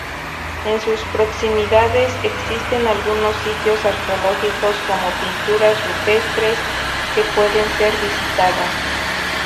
En sus proximidades existen algunos sitios arqueológicos como pinturas rupestres que pueden ser visitadas.